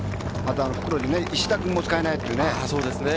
復路に石田君も使えないというね。